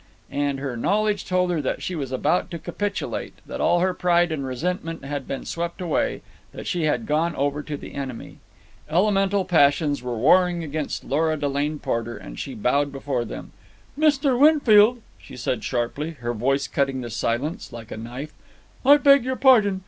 And her knowledge told her that she was about to capitulate, that all her pride and resentment had been swept away, that she had gone over to the enemy. Elemental passions were warring against Lora Delane Porter, and she bowed before them. "Mr. Winfield," she said sharply, her voice cutting the silence like a knife, "I beg your pardon.